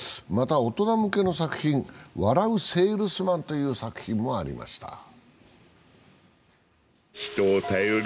また大人向けの作品「笑ゥせぇるすまん」という作品もありました。